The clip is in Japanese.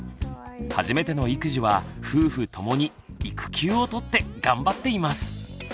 初めての育児は夫婦ともに育休をとって頑張っています！